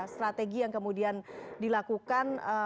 strategi yang kemudian dilakukan